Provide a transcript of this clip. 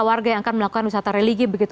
warga yang akan melakukan wisata religi begitu